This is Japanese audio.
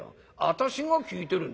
私が聞いてるんだ。